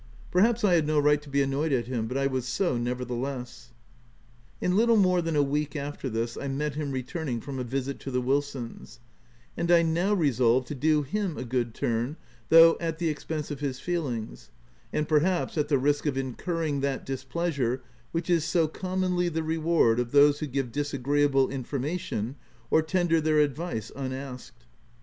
Perhaps I had no right to be annoyed at him, but I was so nevertheless. In little more than a week after this, I met him returning from a visit to the Wilsons ; and I now resolved to do him a good turn, though at the expense of his feelings, and, perhaps, at the risk of incurring that displeasure which is so commonly the reward of those who give dis agreeable information or tender their advice unasked.